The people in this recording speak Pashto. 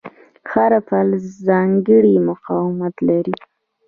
هر فلز ځانګړی مقاومت لري.